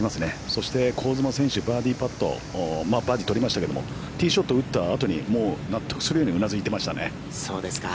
そして、香妻選手、バーディーパット、バーディー取りましたけども、ティーショットを打ったあとに、納得するようにうなずいていましたね。